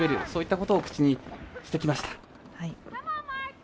そういったことを口にしてきました。